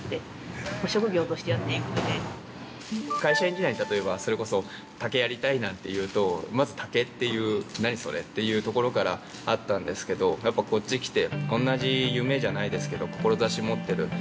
会社員時代に竹やりたいなというとまず、竹っていう何それっていうところからあったんですけどこっちに来て◆